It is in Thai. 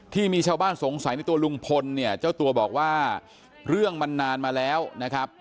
ที่มีชาวบ้านสงสัยในตัวลุงพลเนี่ยเจ้าตัวบอกว่าเรื่องมันนานมาแล้วนะครับ